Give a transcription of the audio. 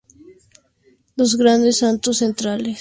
Los dos santos centrales están girados ligeramente hacia la Virgen.